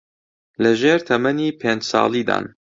لەژێر تەمەنی پێنج ساڵیدان